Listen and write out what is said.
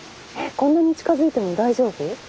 こんなに近づいても大丈夫？